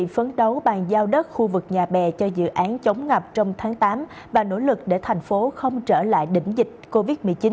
phấn đấu bàn giao đất khu vực nhà bè cho dự án chống ngập trong tháng tám và nỗ lực để thành phố không trở lại đỉnh dịch covid một mươi chín